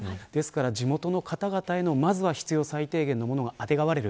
ですから、地元の方々へのまずは必要最低限のものがあてがわれる。